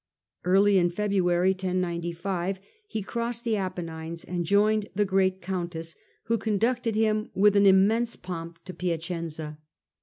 Early in February he crossed the Apennines and joined the great countess, who conducted him with immense pomp to Piacenza.